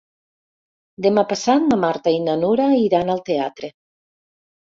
Demà passat na Marta i na Nura iran al teatre.